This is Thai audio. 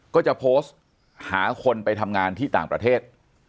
ก็จะโพสต์หาคนไปทำงานที่ต่างประเทศ